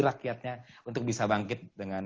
rakyatnya untuk bisa bangkit dengan